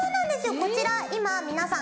こちら今皆さん